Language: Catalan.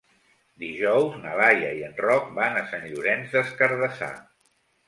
Dijous na Laia i en Roc van a Sant Llorenç des Cardassar.